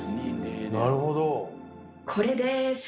なるほど。